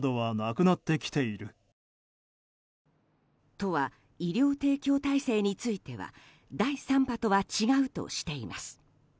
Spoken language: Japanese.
都は医療提供体制については第３波とは違うとしています。